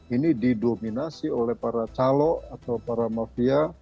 ini didominasi oleh para calok atau para mafia